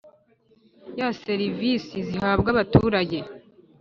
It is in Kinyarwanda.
Ya serivisi zihabwa abaturage